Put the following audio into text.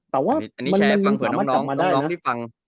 แต่ว่ามันนึงสามารถกลับมาได้นะ